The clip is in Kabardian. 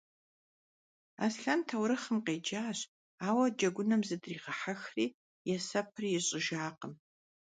Aslhen taurıxhım khêcaş, aue, cegunım zıdriğehexri, yêsepır yiş'ıjjakhım.